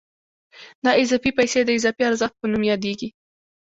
دا اضافي پیسې د اضافي ارزښت په نوم یادېږي